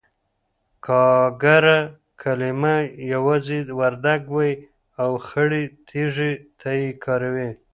گاگره کلمه يوازې وردگ وايي او خړې تيږې ته يې کاروي.